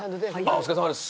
お疲れさまです。